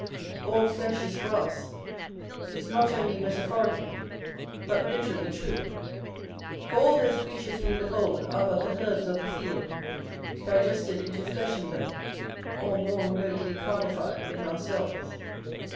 "All flesh is grass," is not only metaphorically, but literally, true; for all those creatures we behold are but the herbs of the field, digested into flesh in them, or more remotely carnified in ourselves.